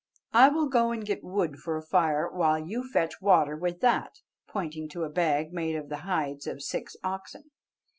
"I will go and get wood for a fire, while you fetch water with that," pointing to a bag made of the hides of six oxen.